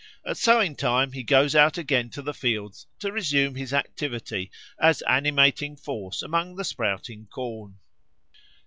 At sowing time he goes out again to the fields to resume his activity as animating force among the sprouting corn."